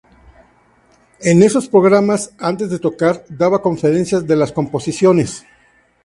En esos programas, antes de tocar, daba conferencias de las composiciones.